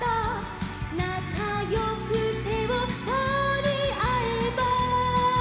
「仲よく手をとりあえば」